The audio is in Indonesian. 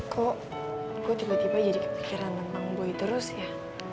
kok gue tiba tiba jadi kepikiran memang boy terus ya